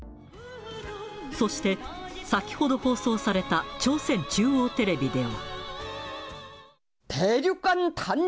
そして、先ほど放送された朝鮮中央テレビでは。